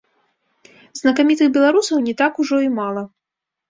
Знакамітых беларусаў не так ужо і мала.